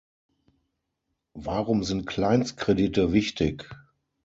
Warum sind Kleinstkredite wichtig?